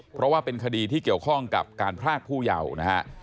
เพราะว่าเป็นคดีที่เกี่ยวข้องกับการพรากผู้เยาว์นะฮะ